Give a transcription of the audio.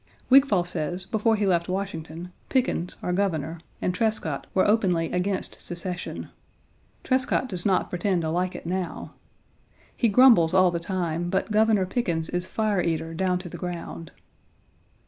Wigfall 1 says before he left Washington, Pickens, our Governor, and Trescott were openly against secession; Trescott does not pretend to like it now. He grumbles all the time, but Governor Pickens is fire eater down to the ground.